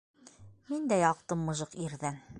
Мин дә ялҡтым мыжыҡ ирҙән!